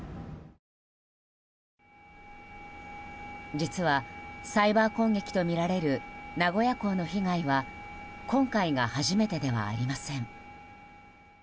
実は、サイバー攻撃とみられる名古屋港の被害は今回が初めてではありません。